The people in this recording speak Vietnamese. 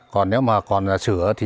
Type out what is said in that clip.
còn nếu mà còn sửa thì